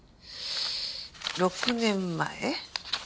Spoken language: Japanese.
６年前。